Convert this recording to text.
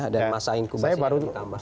dan masa inkubasi yang ditambah